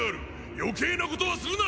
余計なことはするな！